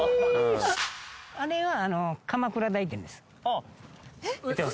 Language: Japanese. あれは鎌倉台店です